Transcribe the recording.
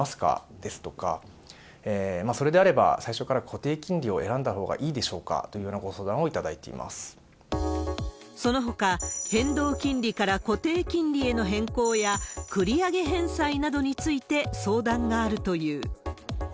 ですとか、それであれば、最初から固定金利を選んだほうがいいでしょうか？というようなごそのほか、変動金利から固定金利への変更や、繰り上げ返済などについて相談があるという。